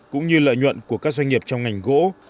cũng như lợi nhuận của các doanh nghiệp trong ngành gỗ